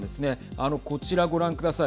あのこちらご覧ください。